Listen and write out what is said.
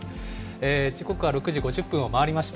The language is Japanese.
時刻は６時５０分を回りました。